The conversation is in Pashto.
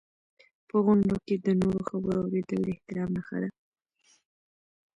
په غونډو کې د نورو خبرو اورېدل د احترام نښه ده.